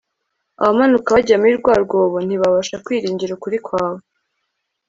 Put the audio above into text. abamanuka bajya muri rwa rwobo ntibabasha kwiringira ukuri kwawe